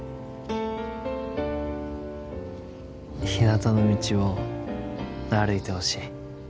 ひなたの道を歩いてほしい。